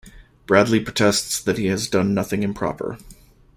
Bradley protests that he has done nothing improper.